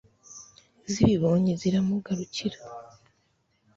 zibibonye ziramugarukira